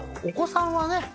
お子さんはね